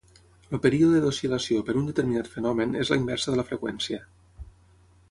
El període d'oscil·lació per un determinat fenomen és la inversa de la freqüència.